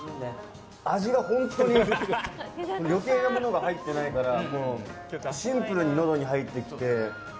味が本当に余計なものが入ってないからシンプルにのどに入ってきて。